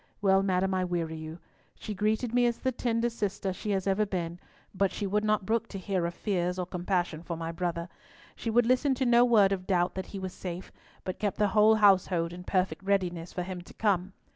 Well, madam, I weary you. She greeted me as the tender sister she has ever been, but she would not brook to hear of fears or compassion for my brother. She would listen to no word of doubt that he was safe, but kept the whole household in perfect readiness for him to come.